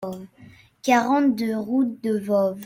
quarante-deux route de Voves